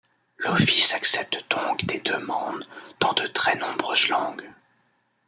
L'office accepte donc des demandes dans de très nombreuses langues.